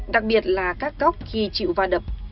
đặc biệt là các góc khi chịu va đập